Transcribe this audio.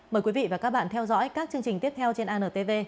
mời quý vị và các bạn theo dõi các chương trình tiếp theo trên antv